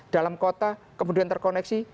dalam kota kemudian terkoneksi